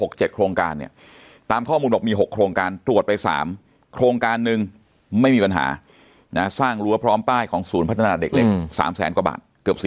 โครงการเนี่ยตามข้อมูลบอกมี๖โครงการตรวจไป๓โครงการนึงไม่มีปัญหานะสร้างรั้วพร้อมป้ายของศูนย์พัฒนาเด็กเล็ก๓แสนกว่าบาทเกือบ๑๐